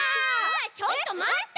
ちょっとまった！